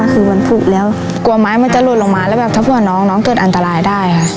กลัวไม้จะหล่นลงมาแล้วแบบพวกน้องเฐ็จอันตรายได้